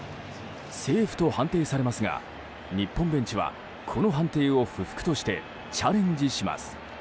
セーフと判定されますが日本ベンチはこの判定を不服としてチャレンジします。